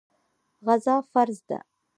غزا فرض ده.